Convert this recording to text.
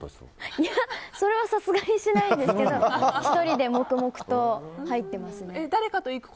それはさすがにしないですけど１人で、黙々と入ってますね。